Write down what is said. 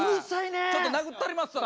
ちょっと殴ったりますわ